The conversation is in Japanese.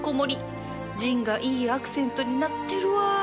ジンがいいアクセントになってるわ